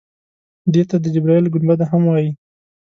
دې ته د جبرائیل ګنبده هم وایي.